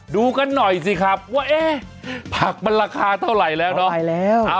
ดูกันหน่อยสิครับว่าเอ๊ะผักมันราคาเท่าไหร่แล้วเนาะ